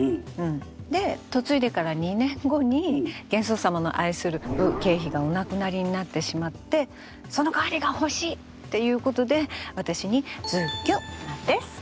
で嫁いでから２年後に玄宗様の愛する武恵妃がお亡くなりになってしまってその代わりが欲しいということで私にズッキュンなんです。